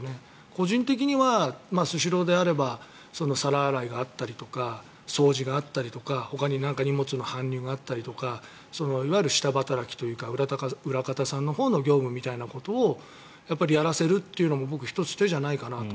個人的にはスシローであれば皿洗いがあったりとか掃除があったりとかほかに荷物の搬入があったりとかいわゆる下働きというか裏方さんのほうの業務をやらせるというのも１つ手じゃないかなと。